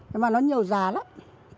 nhưng mà nó nhiều giá lắm